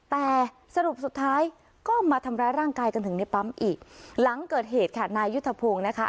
แต่สรุปสุดท้ายก็มาทำร้ายร่างกายกันถึงในปั๊มอีกหลังเกิดเหตุค่ะนายยุทธพงศ์นะคะ